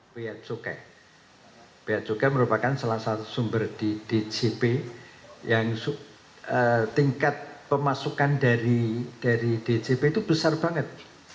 beatsuke beatsuke merupakan salah satu sumber di dgp yang tingkat pemasukan dari dgp itu besar banget